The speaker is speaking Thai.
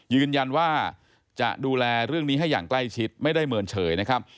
ยืนยันว่าจะดูแลเรื่องนี้ให้อย่างใกล้ชิดไม่ได้เมินเฉยนะครับ